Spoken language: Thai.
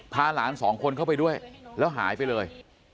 พาหลานสองคนเข้าไปด้วยแล้วหายไปเลย